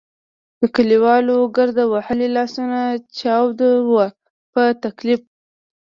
د کلیوالو ګرد وهلي لاسونه چاود وو په تکلیف.